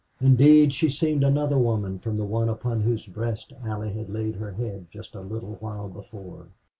Indeed, she seemed another woman from the one upon whose breast Allie had laid her head just a little while before.